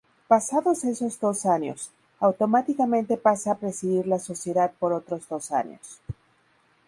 Pasados esos dos años, automáticamente pasa a presidir la Sociedad por otros dos años.